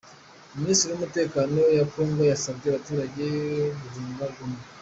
Minisiteri yumutekano ya kongo yasabye abaturage guhunga Goma